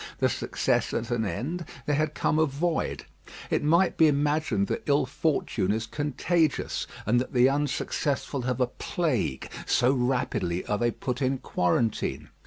The success at an end, there had come a void. It might be imagined that ill fortune is contagious, and that the unsuccessful have a plague, so rapidly are they put in quarantine.